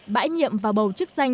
bãi nhiệm và bầu chức danh